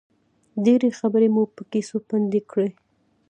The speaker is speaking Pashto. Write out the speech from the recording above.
ډېرې خبرې مو په کیسو پنډې کړې.